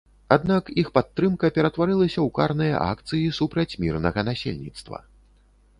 Аднак іх падтрымка ператварылася ў карныя акцыі супраць мірнага насельніцтва.